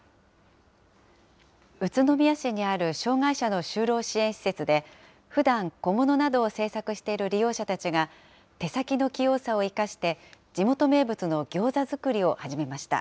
宇都宮市にある障害者の就労支援施設で、ふだん小物などを製作している利用者たちが、手先の器用さを生かして、地元名物のギョーザ作りを始めました。